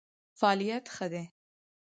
فعالیت ښه دی.